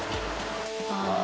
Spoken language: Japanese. ああ。